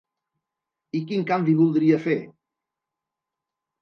I quin canvi voldria fer?